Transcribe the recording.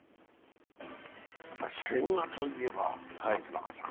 やっぱり千賀といえば松中さん。